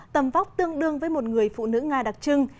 tầm vóc tương đương với một người phụ nữ nga đặc trưng